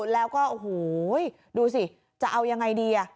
แล้วก็โอ้โหดูสิจะเอายังไงดี